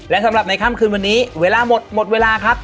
และสำหรับในค่ำคืนวันนี้เวลาหมดหมดเวลาครับ